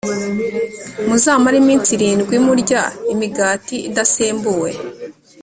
Muzamare iminsi irindwi murya imigati idasembuwe